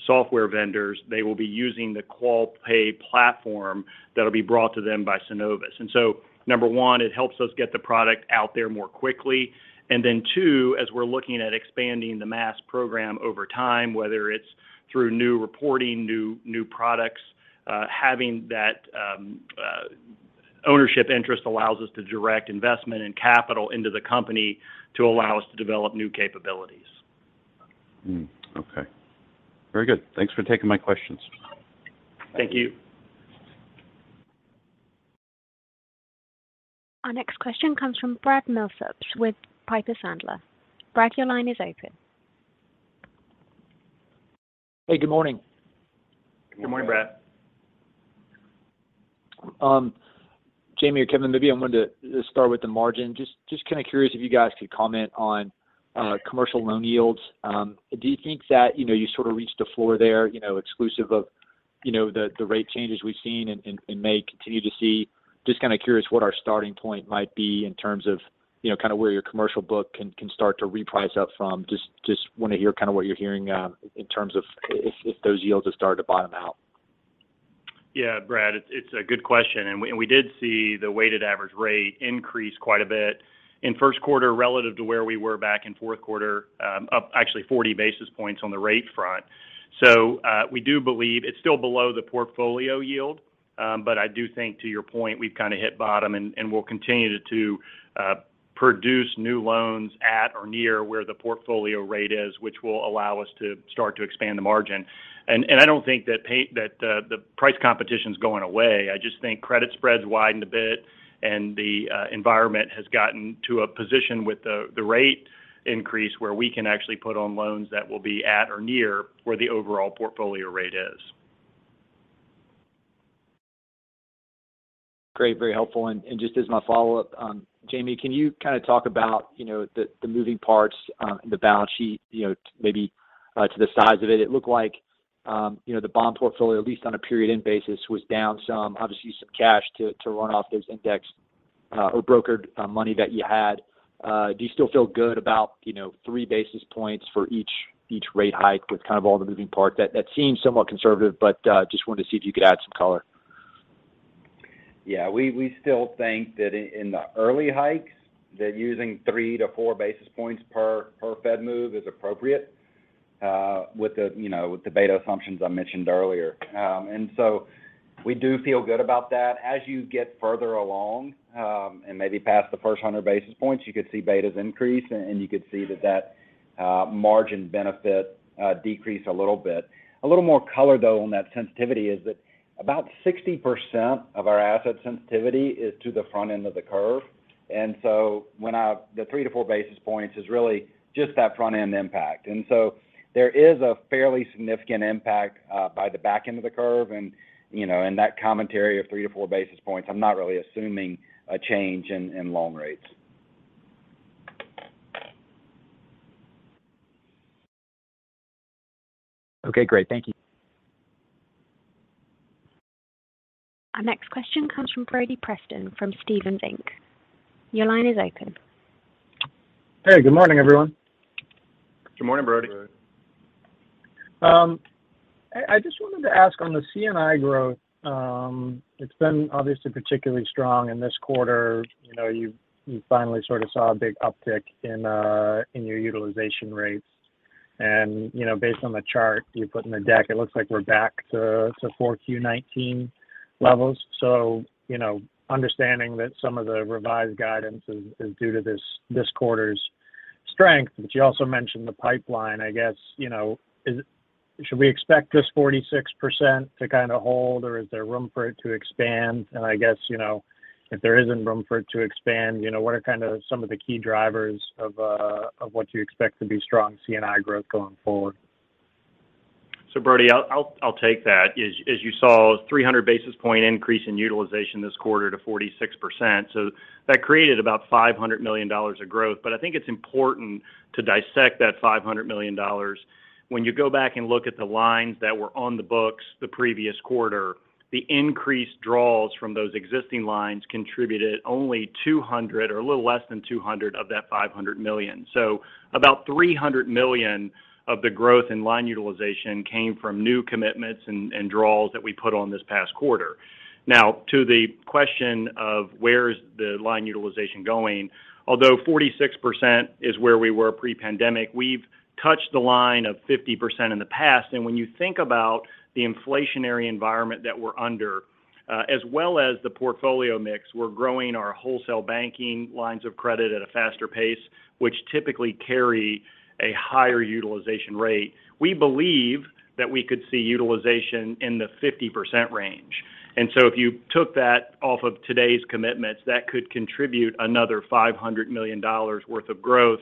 software vendors, they will be using the Qualpay platform that'll be brought to them by Synovus. Number one, it helps us get the product out there more quickly. Two, as we're looking at expanding the Maast program over time, whether it's through new reporting, new products, having that ownership interest allows us to direct investment and capital into the company to allow us to develop new capabilities. Okay. Very good. Thanks for taking my questions. Thank you. Our next question comes from Bradley Milsaps with Piper Sandler. Brad, your line is open. Hey, good morning. Good morning, Brad. Jamie or Kevin, maybe I wanted to start with the margin. Just kind of curious if you guys could comment on commercial loan yields. Do you think that, you know, you sort of reached the floor there, you know, exclusive of, you know, the rate changes we've seen and may continue to see? Just kind of curious what our starting point might be in terms of, you know, kind of where your commercial book can start to reprice up from. Just wanna hear kind of what you're hearing in terms of if those yields have started to bottom out. Yeah, Brad, it's a good question. We did see the weighted average rate increase quite a bit in first quarter relative to where we were back in fourth quarter, up actually 40 basis points on the rate front. We do believe it's still below the portfolio yield. I do think to your point, we've kind of hit bottom and we'll continue to produce new loans at or near where the portfolio rate is, which will allow us to start to expand the margin. I don't think that the price competition's going away. I just think credit spreads widened a bit and the environment has gotten to a position with the rate increase where we can actually put on loans that will be at or near where the overall portfolio rate is. Great. Very helpful. Just as my follow-up, Jamie, can you kind of talk about, you know, the moving parts, the balance sheet, you know, to the size of it? It looked like, you know, the bond portfolio, at least on a period-end basis, was down some, obviously some cash to run off those index or brokered money that you had. Do you still feel good about, you know, 3 basis points for each rate hike with kind of all the moving parts? That seems somewhat conservative, but just wanted to see if you could add some color. We still think that in the early hikes that using 3-4 basis points per Fed move is appropriate, with you know, the beta assumptions I mentioned earlier. We do feel good about that. As you get further along, maybe past the first 100 basis points, you could see betas increase and you could see that margin benefit decrease a little bit. A little more color though on that sensitivity is that about 60% of our asset sensitivity is to the front end of the curve. The 3-4 basis points is really just that front-end impact. There is a fairly significant impact by the back end of the curve and, you know, in that commentary of 3-4 basis points, I'm not really assuming a change in loan rates. Okay, great. Thank you. Our next question comes from Brody Preston from Stephens Inc. Your line is open. Hey, good morning, everyone. Good morning, Brody. Good morning. I just wanted to ask on the C&I growth. It's been obviously particularly strong in this quarter. You know, you finally sort of saw a big uptick in your utilization rates. You know, based on the chart you put in the deck, it looks like we're back to 4Q 2019 levels. You know, understanding that some of the revised guidance is due to this quarter's strength, but you also mentioned the pipeline. I guess, you know, should we expect this 46% to kind of hold or is there room for it to expand? I guess, you know, if there isn't room for it to expand, you know, what are kind of some of the key drivers of what you expect to be strong C&I growth going forward? Brody, I'll take that. As you saw, 300 basis point increase in utilization this quarter to 46%. That created about $500 million of growth. But I think it's important to dissect that $500 million. When you go back and look at the lines that were on the books the previous quarter, the increased draws from those existing lines contributed only $200 million or a little less than $200 million of that $500 million. About $300 million of the growth in line utilization came from new commitments and draws that we put on this past quarter. Now, to the question of where is the line utilization going, although 46% is where we were pre-pandemic, we've touched the line of 50% in the past. When you think about the inflationary environment that we're under. As well as the portfolio mix, we're growing our Wholesale Banking lines of credit at a faster pace, which typically carry a higher utilization rate. We believe that we could see utilization in the 50% range. If you took that off of today's commitments, that could contribute another $500 million worth of growth,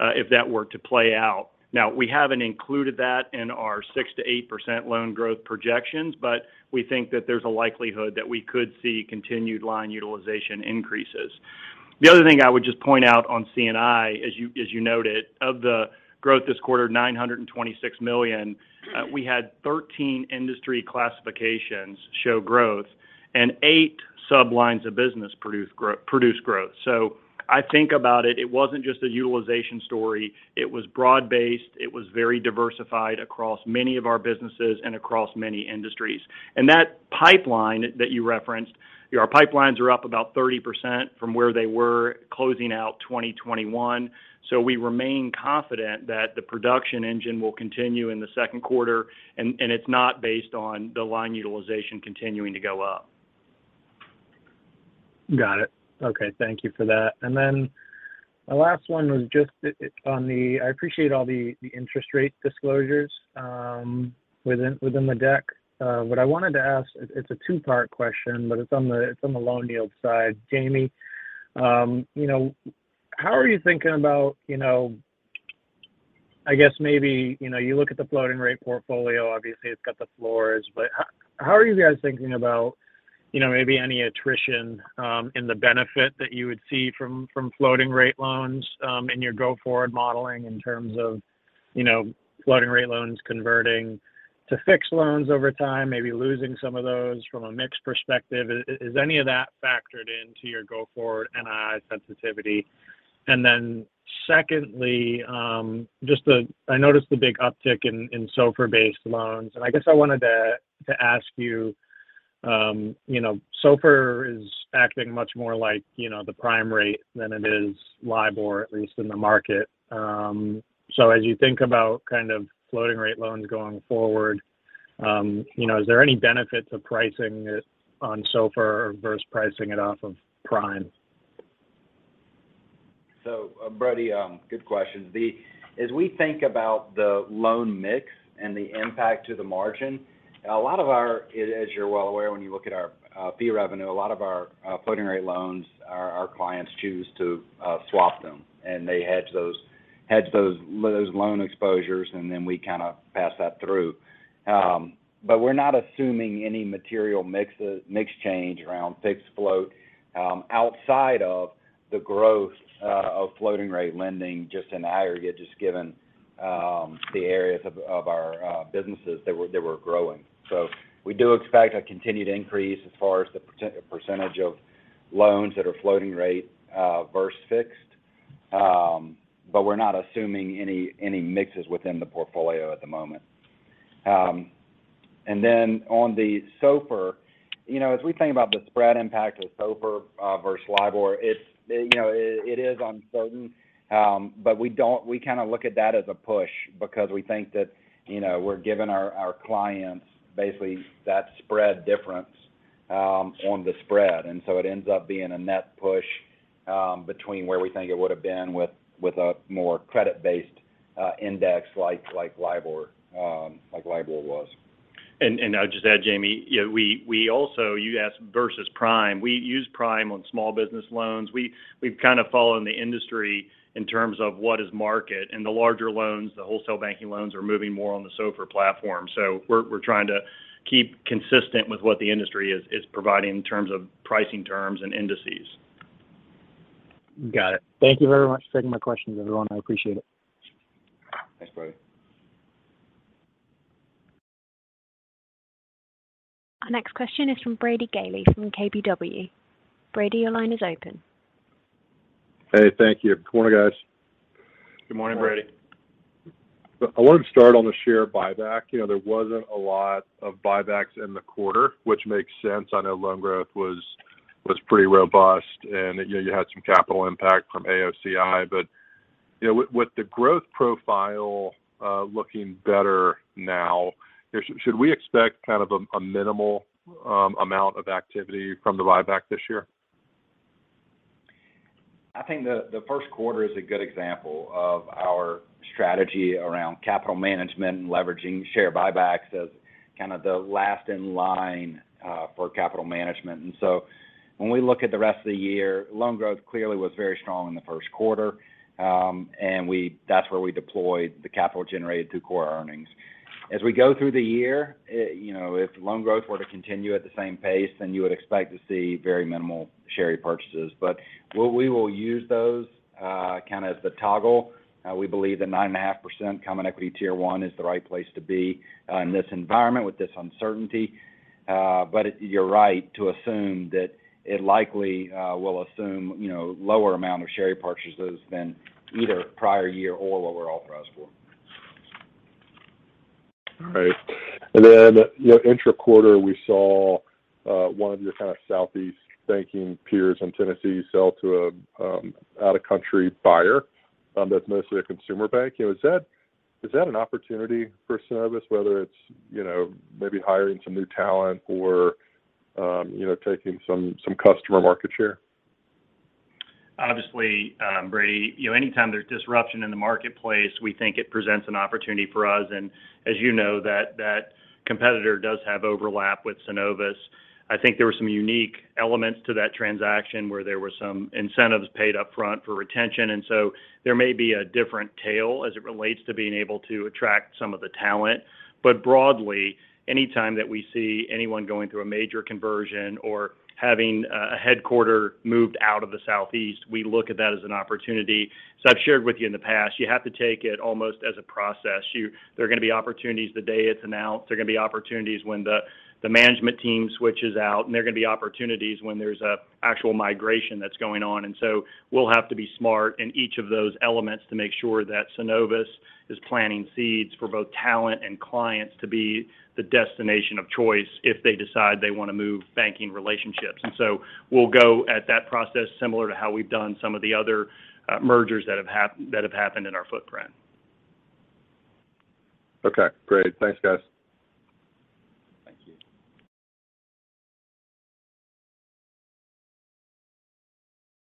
if that were to play out. Now, we haven't included that in our 6%-8% loan growth projections, but we think that there's a likelihood that we could see continued line utilization increases. The other thing I would just point out on C&I, as you noted, of the growth this quarter, $926 million, we had 13 industry classifications show growth and 8 sub-lines of business produce growth. I think about it wasn't just a utilization story. It was broad-based. It was very diversified across many of our businesses and across many industries. That pipeline that you referenced, our pipelines are up about 30% from where they were closing out 2021. We remain confident that the production engine will continue in the second quarter, and it's not based on the line utilization continuing to go up. Got it. Okay, thank you for that. Then the last one was just on the interest rate disclosures. I appreciate all the interest rate disclosures within the deck. What I wanted to ask, it's a two-part question, but it's on the loan yield side. Jamie, you know, how are you thinking about, you know, I guess maybe, you know, you look at the floating rate portfolio, obviously, it's got the floors. But how are you guys thinking about, you know, maybe any attrition in the benefit that you would see from floating rate loans in your go-forward modeling in terms of, you know, floating rate loans converting to fixed loans over time, maybe losing some of those from a mix perspective? Is any of that factored into your go-forward NII sensitivity? Secondly, I noticed the big uptick in SOFR-based loans, and I guess I wanted to ask you know, SOFR is acting much more like, you know, the prime rate than it is LIBOR, at least in the market. So as you think about kind of floating rate loans going forward, you know, is there any benefits of pricing it on SOFR versus pricing it off of prime? Brody, good questions. As we think about the loan mix and the impact to the margin, as you're well aware, when you look at our fee revenue, a lot of our floating rate loans, our clients choose to swap them, and they hedge those loan exposures, and then we kind of pass that through. We're not assuming any material mix change around fixed float outside of the growth of floating rate lending just in aggregate, just given the areas of our businesses that were growing. We do expect a continued increase as far as the percentage of loans that are floating rate versus fixed. We're not assuming any mixes within the portfolio at the moment. On the SOFR, you know, as we think about the spread impact of SOFR versus LIBOR, it's uncertain, but we kind of look at that as a push because we think that, you know, we're giving our clients basically that spread difference on the spread. It ends up being a net push between where we think it would've been with a more credit-based index like LIBOR was. I'll just add, Jamie, you know, we also. You asked versus prime. We use prime on small business loans. We've kind of followed the industry in terms of what is market. The larger loans, the Wholesale Banking loans, are moving more on the SOFR platform. We're trying to keep consistent with what the industry is providing in terms of pricing terms and indices. Got it. Thank you very much for taking my questions, everyone. I appreciate it. Thanks, Brody. Our next question is from Brady Gailey from KBW. Brady, your line is open. Hey, thank you. Good morning, guys. Good morning. Good morning, Brady. I wanted to start on the share buyback. You know, there wasn't a lot of buybacks in the quarter, which makes sense. I know loan growth was pretty robust, and you know, you had some capital impact from AOCI. You know, with the growth profile looking better now, should we expect kind of a minimal amount of activity from the buyback this year? I think the first quarter is a good example of our strategy around capital management and leveraging share buybacks as kind of the last in line for capital management. When we look at the rest of the year, loan growth clearly was very strong in the first quarter, and that's where we deployed the capital generated through core earnings. As we go through the year, it, you know, if loan growth were to continue at the same pace, then you would expect to see very minimal share repurchases. We will use those kind of as the toggle. We believe that 9.5% Common Equity Tier 1 is the right place to be in this environment with this uncertainty. You're right to assume that it likely will assume, you know, lower amount of share repurchases than either prior year or what we're authorized for. All right. Intra-quarter, we saw one of your kind of southeast banking peers in Tennessee sell to a out-of-country buyer. That's mostly a consumer bank. You know, is that an opportunity for Synovus whether it's, you know, maybe hiring some new talent or, you know, taking some customer market share? Obviously, Brady, you know, anytime there's disruption in the marketplace, we think it presents an opportunity for us. As you know, that competitor does have overlap with Synovus. I think there were some unique elements to that transaction where there were some incentives paid upfront for retention. There may be a different tail as it relates to being able to attract some of the talent. Broadly, anytime that we see anyone going through a major conversion or having a headquarters moved out of the Southeast, we look at that as an opportunity. As I've shared with you in the past, you have to take it almost as a process. There are gonna be opportunities the day it's announced, there are gonna be opportunities when the management team switches out, and there are gonna be opportunities when there's an actual migration that's going on. We'll have to be smart in each of those elements to make sure that Synovus is planting seeds for both talent and clients to be the destination of choice if they decide they wanna move banking relationships. We'll go at that process similar to how we've done some of the other mergers that have happened in our footprint. Okay, great. Thanks guys.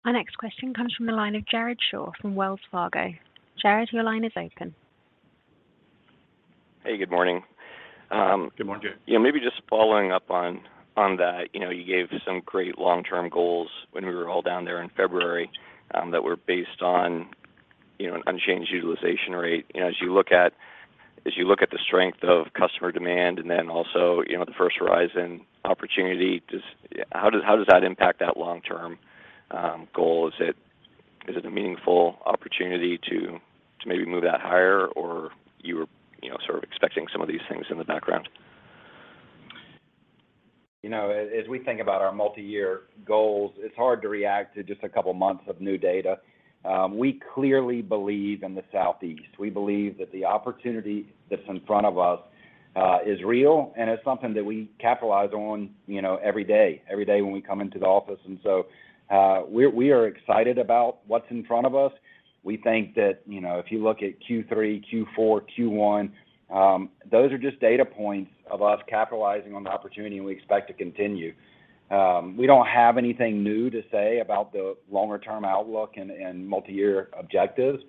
Thank you. Our next question comes from the line of Jared Shaw from Wells Fargo. Jared, your line is open. Hey, good morning. Good morning, Jared. You know, maybe just following up on that. You know, you gave some great long-term goals when we were all down there in February that were based on, you know, an unchanged utilization rate. You know, as you look at the strength of customer demand and then also, you know, the First Horizon opportunity, how does that impact that long-term goal? Is it a meaningful opportunity to maybe move that higher or you were, you know, sort of expecting some of these things in the background? You know, as we think about our multi-year goals, it's hard to react to just a couple months of new data. We clearly believe in the Southeast. We believe that the opportunity that's in front of us is real and is something that we capitalize on, you know, every day when we come into the office. We are excited about what's in front of us. We think that, you know, if you look at Q3, Q4, Q1, those are just data points of us capitalizing on the opportunity and we expect to continue. We don't have anything new to say about the longer term outlook and multi-year objectives.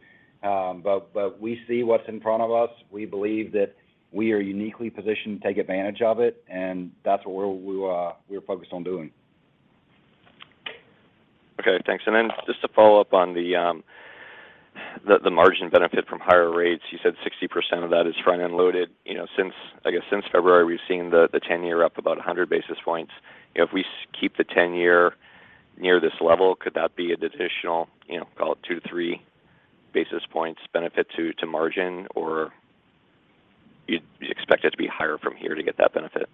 We see what's in front of us. We believe that we are uniquely positioned to take advantage of it, and that's what we're focused on doing. Okay, thanks. Just to follow-up on the margin benefit from higher rates. You said 60% of that is front-end loaded. Since February, we've seen the 10-year up about 100 basis points. If we keep the ten-year near this level, could that be an additional, call it 2-3 basis points benefit to margin? Or you'd expect it to be higher from here to get that benefit?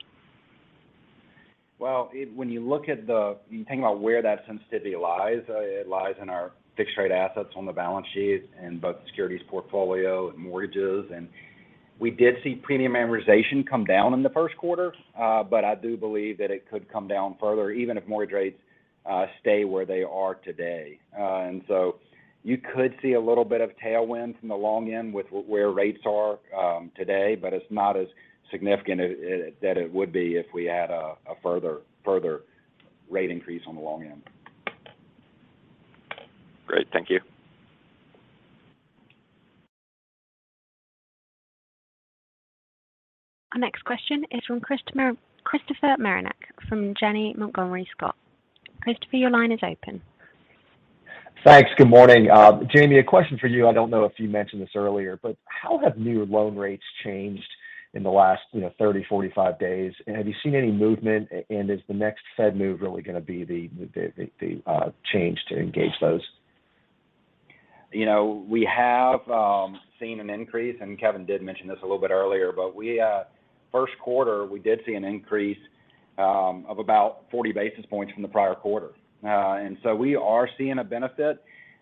When you think about where that sensitivity lies, it lies in our fixed rate assets on the balance sheet and both securities portfolio and mortgages. We did see premium amortization come down in the first quarter. I do believe that it could come down further even if mortgage rates stay where they are today. You could see a little bit of tailwind from the long end with where rates are today, but it's not as significant as that it would be if we had a further rate increase on the long end. Great. Thank you. Our next question is from Christopher Marinac from Janney Montgomery Scott. Christopher, your line is open. Thanks. Good morning. Jamie, a question for you. I don't know if you mentioned this earlier, but how have new loan rates changed in the last, you know, 30, 45 days? Have you seen any movement? Is the next Fed move really gonna be the change to engage those? You know, we have seen an increase, and Kevin did mention this a little bit earlier. In the first quarter, we did see an increase of about 40 basis points from the prior quarter. We are seeing a benefit,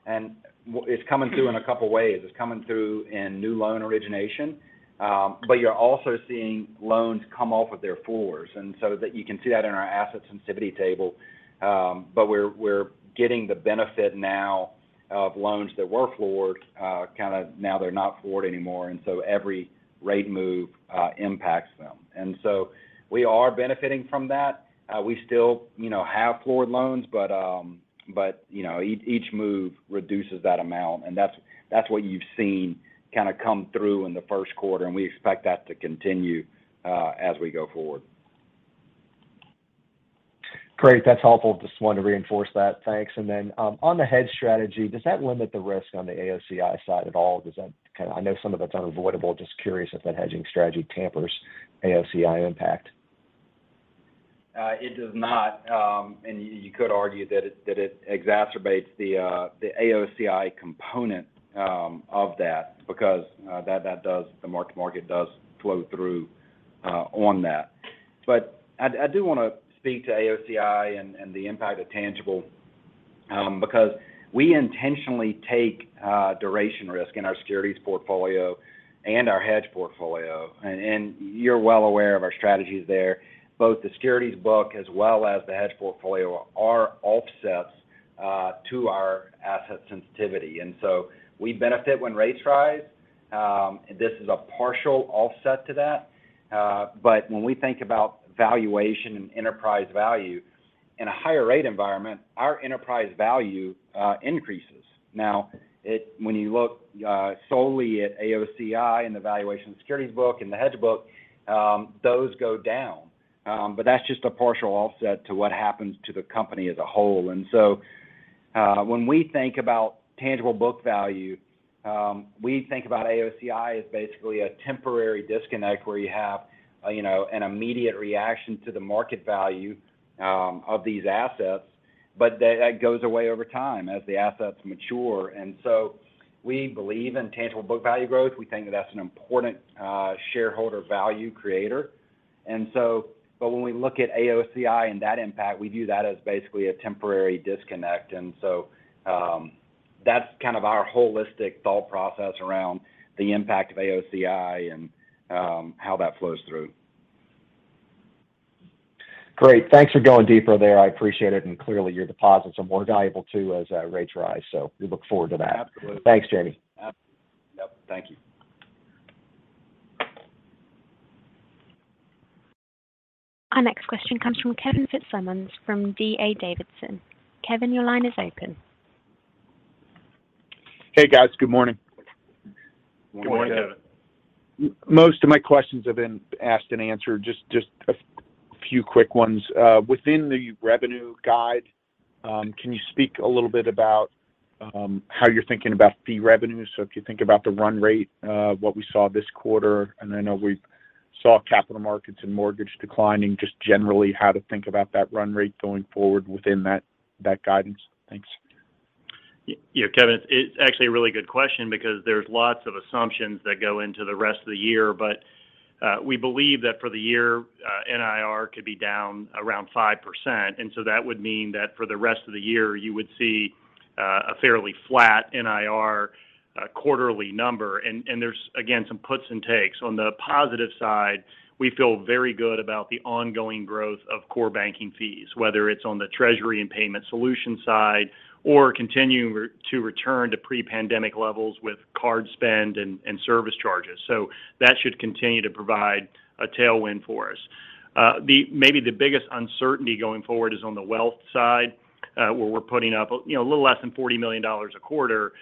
and it's coming through in a couple ways. It's coming through in new loan origination, but you're also seeing loans come off of their floors. You can see that in our asset sensitivity table. We're getting the benefit now of loans that were floored, kind of now they're not floored anymore. Every rate move impacts them. We are benefiting from that. We still, you know, have floored loans, but you know, each move reduces that amount and that's what you've seen kind of come through in the first quarter, and we expect that to continue, as we go forward. Great. That's helpful. Just wanted to reinforce that. Thanks. On the hedge strategy, does that limit the risk on the AOCI side at all? I know some of it's unavoidable. Just curious if that hedging strategy tempers AOCI impact. It does not. You could argue that it exacerbates the AOCI component of that because the mark-to-market does flow through on that. I do wanna speak to AOCI and the impact of tangible because we intentionally take duration risk in our securities portfolio and our hedge portfolio. You're well aware of our strategies there. Both the securities book as well as the hedge portfolio are offsets to our asset sensitivity. We benefit when rates rise. This is a partial offset to that. When we think about valuation and enterprise value in a higher rate environment, our enterprise value increases. When you look solely at AOCI and the valuation securities book and the hedge book, those go down. That's just a partial offset to what happens to the company as a whole. When we think about tangible book value, we think about AOCI as basically a temporary disconnect where you have, you know, an immediate reaction to the market value of these assets. That goes away over time as the assets mature. We believe in tangible book value growth. We think that that's an important shareholder value creator. When we look at AOCI and that impact, we view that as basically a temporary disconnect. That's kind of our holistic thought process around the impact of AOCI and how that flows through. Great. Thanks for going deeper there. I appreciate it. Clearly, your deposits are more valuable too as rates rise. We look forward to that. Absolutely. Thanks, Jamie. Yep. Thank you. Our next question comes from Kevin Fitzsimmons, from D.A. Davidson. Kevin, your line is open. Hey, guys. Good morning. Good morning, Kevin. Good morning. Most of my questions have been asked and answered. Just a few quick ones. Within the revenue guide, can you speak a little bit about how you're thinking about fee revenue? If you think about the run rate, what we saw this quarter, and I know we saw capital markets and mortgage declining, just generally how to think about that run rate going forward within that guidance. Thanks. Yeah, Kevin, it's actually a really good question because there's lots of assumptions that go into the rest of the year. We believe that for the year, NIR could be down around 5%. That would mean that for the rest of the year, you would see a fairly flat NIR quarterly number. There's again, some puts and takes. On the positive side, we feel very good about the ongoing growth of core banking fees, whether it's on the treasury and payment solution side or continuing to return to pre-pandemic levels with card spend and service charges. That should continue to provide a tailwind for us. Maybe the biggest uncertainty going forward is on the wealth side, where we're putting up, you know, a little less than $40 million a quarter.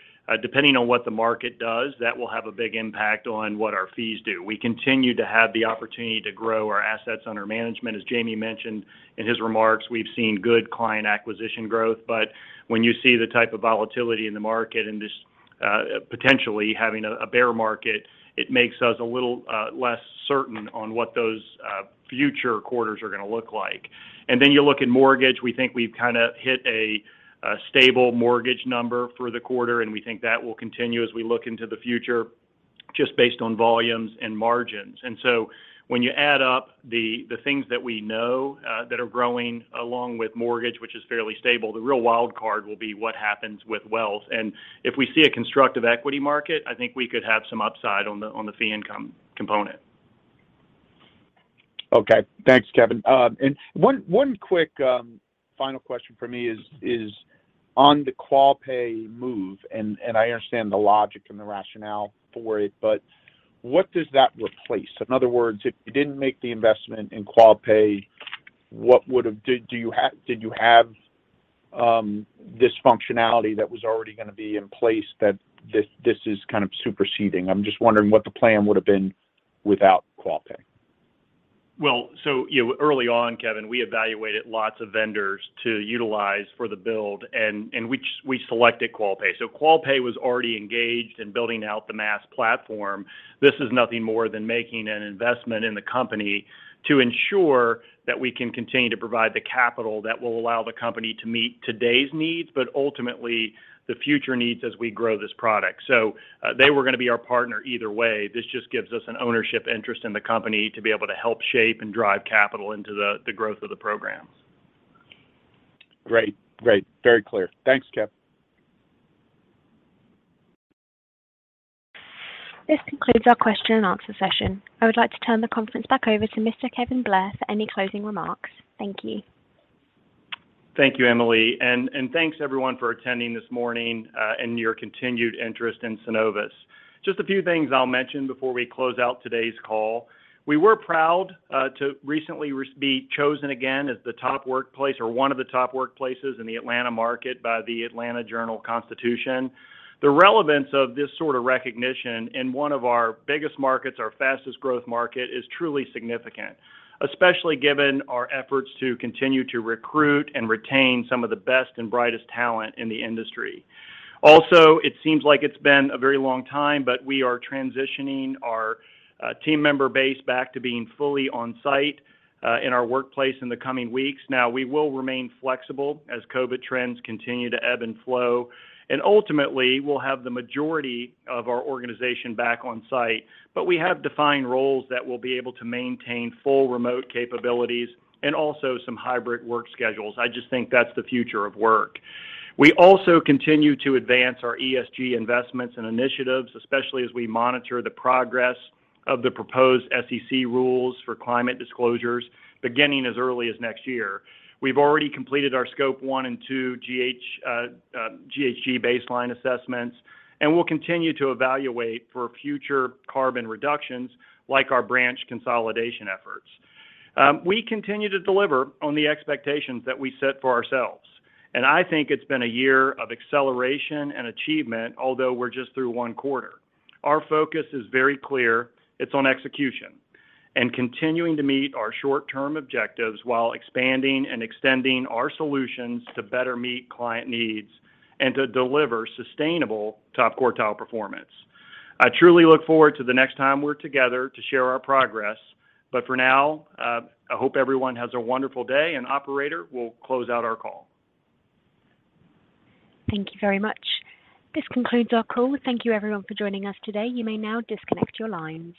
Depending on what the market does, that will have a big impact on what our fees do. We continue to have the opportunity to grow our assets under management. As Jamie mentioned in his remarks, we've seen good client acquisition growth. When you see the type of volatility in the market and just potentially having a bear market, it makes us a little less certain on what those future quarters are gonna look like. Then you look at mortgage, we think we've kinda hit a stable mortgage number for the quarter, and we think that will continue as we look into the future just based on volumes and margins. When you add up the things that we know that are growing along with mortgage, which is fairly stable, the real wild card will be what happens with wealth. If we see a constructive equity market, I think we could have some upside on the fee income component. Okay. Thanks, Kevin. One quick final question from me is on the Qualpay move, and I understand the logic and the rationale for it, but what does that replace? In other words, if you didn't make the investment in Qualpay, did you have this functionality that was already gonna be in place that this is kind of superseding? I'm just wondering what the plan would have been without Qualpay. Well, you know, early on, Kevin, we evaluated lots of vendors to utilize for the build and we selected Qualpay. Qualpay was already engaged in building out the Maast platform. This is nothing more than making an investment in the company to ensure that we can continue to provide the capital that will allow the company to meet today's needs, but ultimately the future needs as we grow this product. They were gonna be our partner either way. This just gives us an ownership interest in the company to be able to help shape and drive capital into the growth of the programs. Great. Very clear. Thanks, Kevin. This concludes our question-and-answer session. I would like to turn the conference back over to Mr. Kevin Blair for any closing remarks. Thank you. Thank you, Emily. Thanks everyone for attending this morning and your continued interest in Synovus. Just a few things I'll mention before we close out today's call. We were proud to recently be chosen again as the top workplace or one of the top workplaces in the Atlanta market by the Atlanta Journal-Constitution. The relevance of this sort of recognition in one of our biggest markets, our fastest growth market, is truly significant, especially given our efforts to continue to recruit and retain some of the best and brightest talent in the industry. Also, it seems like it's been a very long time, but we are transitioning our team member base back to being fully on site in our workplace in the coming weeks. Now, we will remain flexible as COVID trends continue to ebb and flow. Ultimately, we'll have the majority of our organization back on-site. But we have defined roles that will be able to maintain full remote capabilities and also some hybrid work schedules. I just think that's the future of work. We also continue to advance our ESG investments and initiatives, especially as we monitor the progress of the proposed SEC rules for climate disclosures beginning as early as next year. We've already completed our scope one and two GHG baseline assessments, and we'll continue to evaluate for future carbon reductions, like our branch consolidation efforts. We continue to deliver on the expectations that we set for ourselves, and I think it's been a year of acceleration and achievement, although we're just through one quarter. Our focus is very clear, it's on execution and continuing to meet our short-term objectives while expanding and extending our solutions to better meet client needs and to deliver sustainable top quartile performance. I truly look forward to the next time we're together to share our progress. For now, I hope everyone has a wonderful day. And operator, we'll close out our call. Thank you very much. This concludes our call. Thank you everyone for joining us today. You may now disconnect your lines.